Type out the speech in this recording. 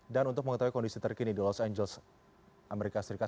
dan untuk mengetahui kondisi terkini di los angeles amerika serikat